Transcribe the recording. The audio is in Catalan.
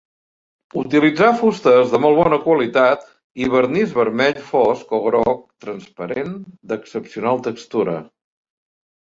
Utilitzà fustes de molt bona qualitat i vernís vermell fosc o groc transparent d'excepcional textura.